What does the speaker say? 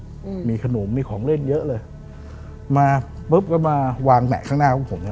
อืมมีขนมมีของเล่นเยอะเลยมาปุ๊บก็มาวางแหมะข้างหน้าของผมเนี้ย